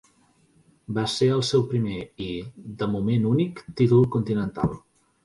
Va ser el seu primer i, de moment únic, títol continental.